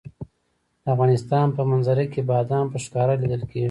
د افغانستان په منظره کې بادام په ښکاره لیدل کېږي.